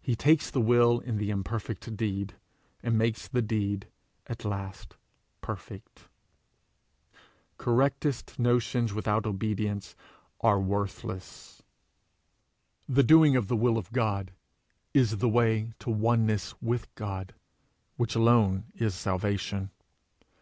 He takes the will in the imperfect deed, and makes the deed at last perfect. Correctest notions without obedience are worthless. The doing of the will of God is the way to oneness with God, which alone is salvation.